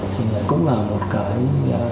thì cũng là một cái